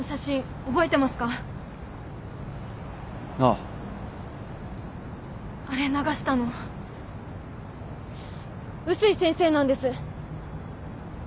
あれ流したの碓井先生なんです。